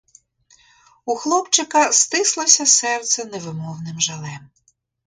У хлопчика стислося серце невимовним жалем.